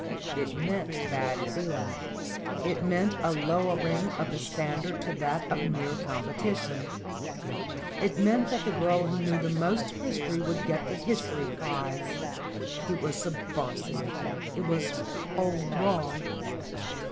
It meant bad feeling. It meant a lowering of the standard to that of mere competition. It meant that the girl who knew the most history would get the history prize. It was subversive. It was all wrong.